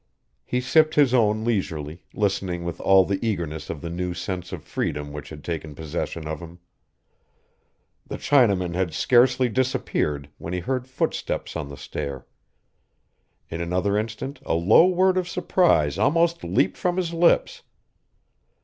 He sipped his own leisurely, listening with all the eagerness of the new sense of freedom which had taken possession of him. The Chinaman had scarcely disappeared when he heard footsteps on the stair. In another instant a low word of surprise almost leaped from his lips.